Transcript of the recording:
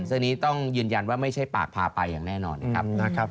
ซึ่งนี้ต้องยืนยันว่าไม่ใช่ปากพาไปอย่างแน่นอนนะครับ